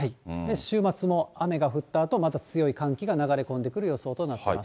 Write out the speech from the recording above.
週末も雨が降ったあと、また強い寒気が流れ込んでくる予想となっています。